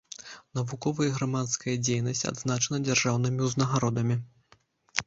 Навуковая і грамадская дзейнасць адзначана дзяржаўнымі ўзнагародамі.